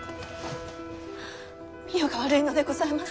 美代が悪いのでございます。